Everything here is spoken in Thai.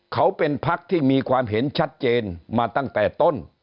เขาเป็นพักที่มีความเห็นชัดเจนมาตั้งแต่ต้น